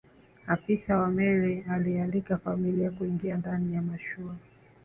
afisa wa meli alialika familia kuingia ndani ya mashua